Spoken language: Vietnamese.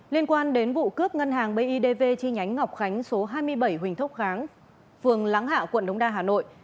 liên quan đến vụ cướp ngân hàng bidv chi nhánh ngọc khánh số hai mươi bảy huỳnh thốc kháng phường láng hạ quận đông đa hà nội